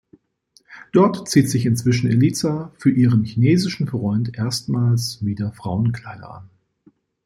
Dort zieht sich inzwischen Eliza für ihren chinesischen Freund erstmals wieder Frauenkleider an.